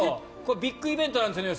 ビッグイベントなんですよね。